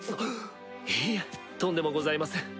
いいえとんでもございません。